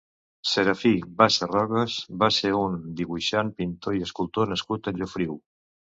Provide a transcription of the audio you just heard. Serafí Bassa Rocas va ser un dibuixant, pintor i escultor nascut a Llofriu.